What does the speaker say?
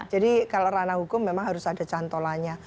jadi kalau ranah hukum memang harus ada cantolanya